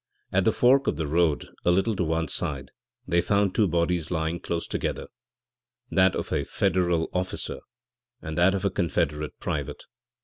At the fork of the road, a little to one side, they found two bodies lying close together that of a Federal officer and that of a Confederate private.